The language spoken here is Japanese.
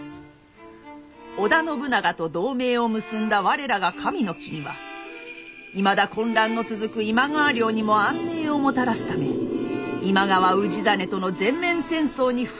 織田信長と同盟を結んだ我らが神の君はいまだ混乱の続く今川領にも安寧をもたらすため今川氏真との全面戦争に踏み切りました。